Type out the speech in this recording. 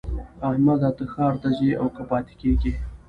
احمده! ته ښار ته ځې او که پاته کېږې؟